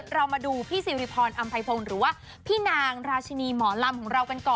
เรามาดูพี่ซิริพรอำไพพงศ์หรือว่าพี่นางราชินีหมอลำของเรากันก่อน